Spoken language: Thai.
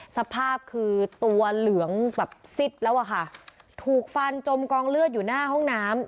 สภาพคือตัวเหลืองแบบซิดแล้วอะค่ะถูกฟันจมกองเลือดอยู่หน้าห้องน้ำ